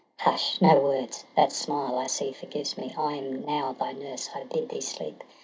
Hush, no words 1 that smile, I see, forgives me. I am now thy nurse, I bid thee sleep.